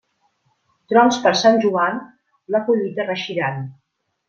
Trons per Sant Joan, la collita reeixiran.